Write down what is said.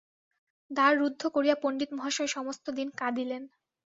দ্বার রুদ্ধ করিয়া পণ্ডিতমহাশয় সমস্ত দিন কাঁদিলেন।